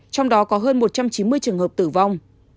trong đó có hơn một trăm chín mươi trường hợp tử vong